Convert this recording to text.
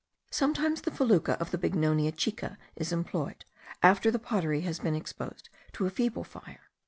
Sometimes the fecula of the Bignonia chica is employed, after the pottery has been exposed to a feeble fire.